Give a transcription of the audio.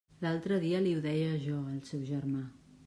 L'altre dia li ho deia jo al seu germà.